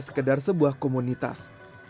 sekedar sebuah komunitas